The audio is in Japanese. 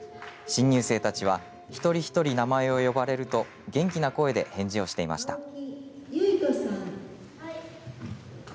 新入生たちは一人一人名前を呼ばれると元気な声で返事をしていました。